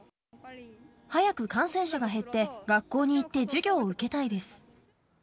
早く感染者が減って、学校に行って授業を受けたいです。